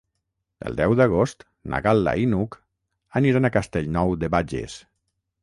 El deu d'agost na Gal·la i n'Hug aniran a Castellnou de Bages.